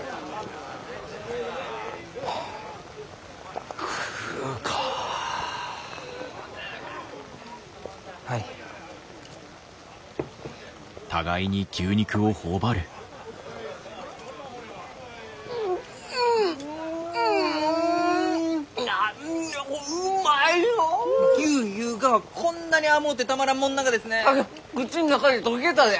竹雄口の中で溶けたで！